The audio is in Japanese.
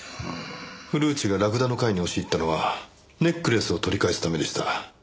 古内がらくだの会に押し入ったのはネックレスを取り返すためでした。